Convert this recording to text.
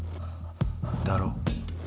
だろ？